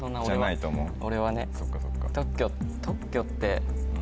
俺はね特許って。